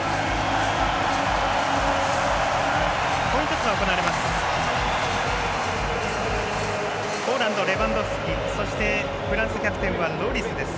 コイントスが行われます。